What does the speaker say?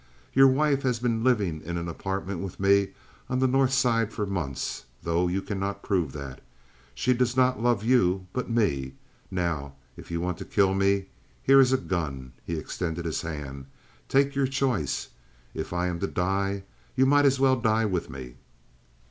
Your wife has been living in an apartment with me on the North Side for months, though you cannot prove that. She does not love you, but me. Now if you want to kill me here is a gun." He extended his hand. "Take your choice. If I am to die you might as well die with me."